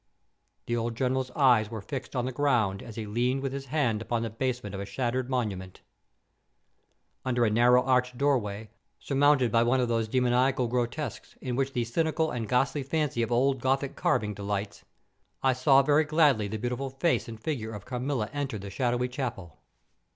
The old General's eyes were fixed on the ground, as he leaned with his hand upon the basement of a shattered monument. Under a narrow, arched doorway, surmounted by one of those demoniacal grotesques in which the cynical and ghastly fancy of old Gothic carving delights, I saw very gladly the beautiful face and figure of Carmilla enter the shadowy chapel.